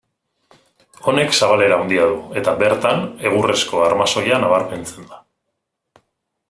Honek zabalera handia du, eta, bertan, egurrezko armazoia nabarmentzen da.